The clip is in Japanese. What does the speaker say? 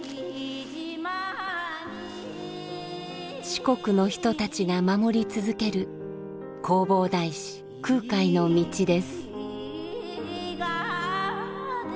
四国の人たちが守り続ける弘法大師・空海の道です。